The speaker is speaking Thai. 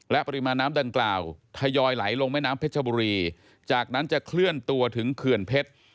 ปริมาณน้ำดังกล่าวทยอยไหลลงแม่น้ำเพชรบุรีจากนั้นจะเคลื่อนตัวถึงเขื่อนเพชร